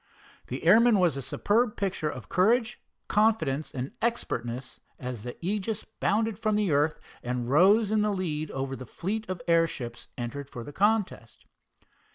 The airman was a superb picture of courage, confidence and expertness as the Aegis bounded from earth and rose in the lead over the fleet of airships entered for the contest.